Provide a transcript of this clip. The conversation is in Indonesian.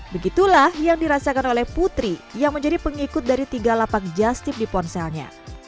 begitulah yang dirasakan oleh putri yang menjadi pengikut dari tiga lapak justip di ponselnya